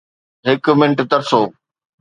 هڪ منٽ ترسو